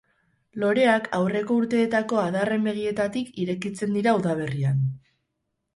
Loreak aurreko urtetako adarren begietatik irekitzen dira udaberrian.